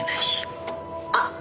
あっ！